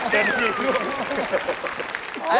เล่นไป